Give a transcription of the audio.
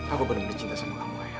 aku bener bener cinta sama kamu ayah